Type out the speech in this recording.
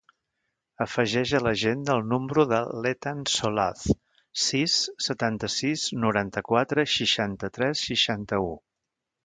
Afegeix a l'agenda el número de l'Ethan Solaz: sis, setanta-sis, noranta-quatre, seixanta-tres, seixanta-u.